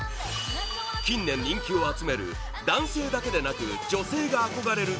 近年、人気を集める男性だけでなく女性が憧れる